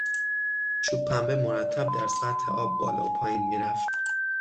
چوب پنبه مرتب در سطح آب بالا و پایین میرفت.